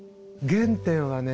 原点はね